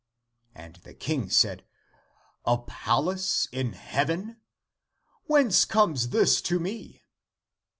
And the King said, " A palace in heaven — whence comes this to me?